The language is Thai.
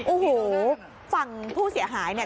โอ้โหฝั่งผู้เสียหายเนี่ย